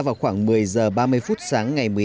vào khoảng một mươi h ba mươi phút sáng ngày